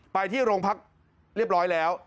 ไปที่โรงพักเรียบร้อยแล้ว